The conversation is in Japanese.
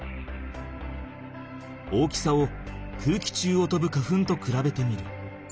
大きさを空気中をとぶ花粉とくらべてみる。